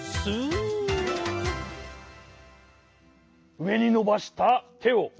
うえにのばしたてをおろすぞ。